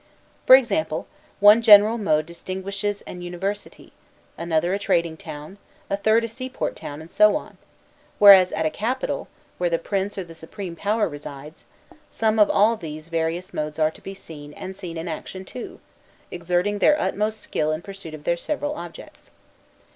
For example, one general mode distinguishes an university, another a trading town, a third a seaport town, and so on; whereas, at a capital, where the Prince or the Supreme Power resides, some of all these various modes are to be seen and seen in action too, exerting their utmost skill in pursuit of their several objects.